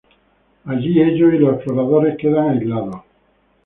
Allí ellos y los exploradores quedan aislados.